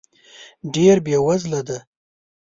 ډېر بې وزله دی .